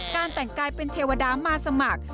แต่งกายเป็นเทวดามาสมัคร